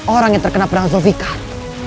orang yang terkena perang sofikan